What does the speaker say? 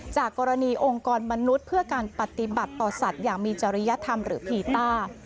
จากกรณีองค์กรมนุษย์เพื่อการปฏิบัติต่อสัตว์อย่างมีจริยธรรมหรือพีต้า